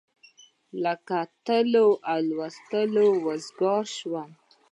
له کتلو او لوستلو وزګار شوم.